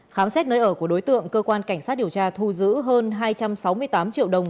khám xét nơi ở của đối tượng cơ quan cảnh sát điều tra thu giữ hơn hai trăm sáu mươi tám triệu đồng